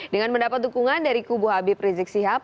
dengan mendapat dukungan dari kubu habib rizik sihab